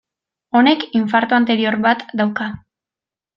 Honek infarto anterior bat dauka.